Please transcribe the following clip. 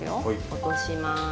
落とします。